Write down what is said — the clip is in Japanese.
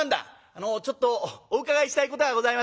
「あのちょっとお伺いしたいことがございまして」。